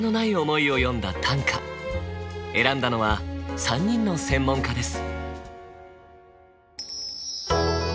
選んだのは３人の専門家です。